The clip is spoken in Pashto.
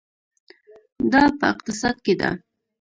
دا په اقتصاد کې ده.